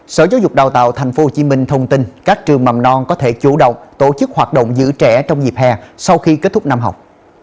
sở giáo dục đào tạo tp hcm thông tin các trường mầm non có thể chủ động tổ chức hoạt động giữ trẻ trong dịp hè sau khi kết thúc năm học